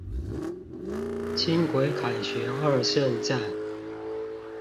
輕軌凱旋二聖站